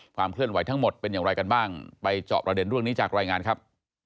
เคลื่อนไหวทั้งหมดเป็นอย่างไรกันบ้างไปเจาะประเด็นเรื่องนี้จากรายงานครับ